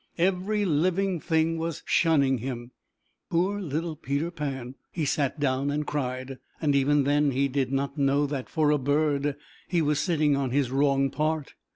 Every living thing was shunning him. Poor little Peter Pan, he sat down and cried, and even then he did not know that, for a bird, he was sitting on his wrong part.